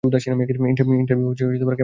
Interview কেমন হলো?